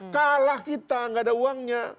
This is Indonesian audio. kalah kita gak ada uangnya